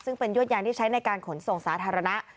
ซึ่งเป็นยวดยางที่ใช้ในการขนส่งสาธารณะ